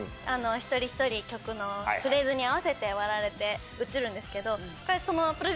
一人一人曲のフレーズに合わせて割られて映るんですけど。